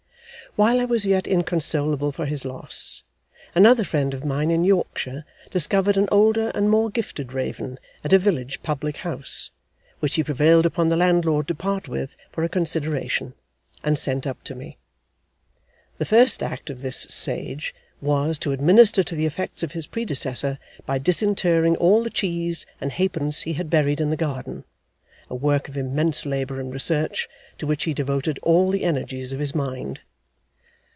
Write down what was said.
While I was yet inconsolable for his loss, another friend of mine in Yorkshire discovered an older and more gifted raven at a village public house, which he prevailed upon the landlord to part with for a consideration, and sent up to me. The first act of this Sage, was, to administer to the effects of his predecessor, by disinterring all the cheese and halfpence he had buried in the garden a work of immense labour and research, to which he devoted all the energies of his mind.